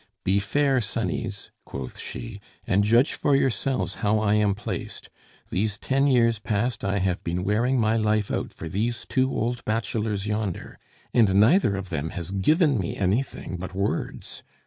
"Be fair, sonnies," quoth she, "and judge for yourselves how I am placed. These ten years past I have been wearing my life out for these two old bachelors yonder, and neither or them has given me anything but words.